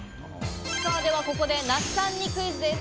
では、ここで那須さんにクイズです。